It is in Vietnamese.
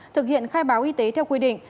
thực hiện khai báo y tế theo quy định